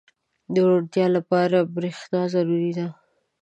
• د روڼتیا لپاره برېښنا ضروري ده.